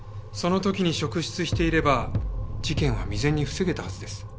その時に職質していれば事件は未然に防げたはずです。